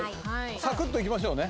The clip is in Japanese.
サクッといきますよね。